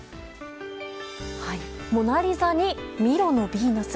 「モナリザ」に「ミロのヴィーナス」。